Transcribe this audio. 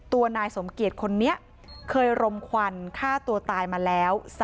นายสมเกียจคนนี้เคยรมควันฆ่าตัวตายมาแล้ว